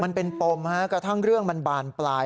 มันเป็นปมกระทั่งเรื่องมันบานปลาย